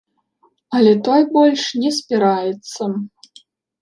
Але той больш не спіраецца.